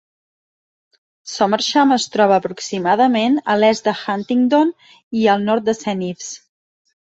Somersham es troba aproximadament a l'est de Huntingdon i al nord de Saint Ives.